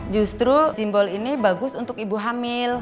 justru simbol ini bagus untuk ibu hamil